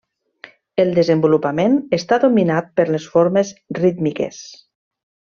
El desenvolupament està dominat per les formes rítmiques.